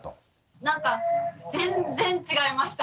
なんか全然違いました。